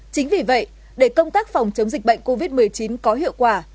chính vì vậy để công tác phòng chống dịch bệnh covid một mươi chín có hiệu quả